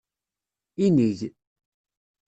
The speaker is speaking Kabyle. Inig.